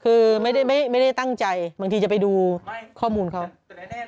คือไม่ได้ไม่ได้ไม่ได้ตั้งใจบางทีจะไปดูไม่ข้อมูลเขาแต่แน่แน่